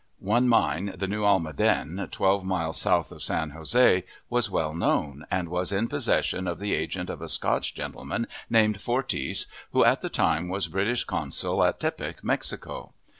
One mine, the New Almaden, twelve miles south of San Jose, was well known, and was in possession of the agent of a Scotch gentleman named Forties, who at the time was British consul at Tepic, Mexico.